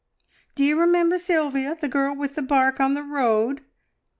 "D'ye remember Sylvia, the girl with the bark on the road?"